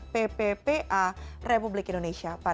ppp a republik indonesia